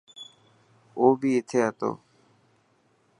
او بي اٿي هتو.